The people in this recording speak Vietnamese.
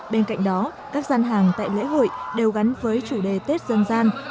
bên cạnh đó các gian hàng tại lễ hội đều gắn với chủ đề tết dân gian